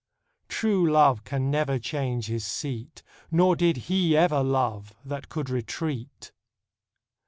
True love can never change his seat ; Nor did he ever love that can retreat.